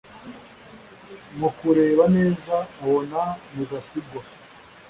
mukureba neza abona ni gasigwa